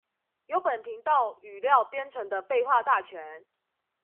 由本頻道語料編成的廢話大全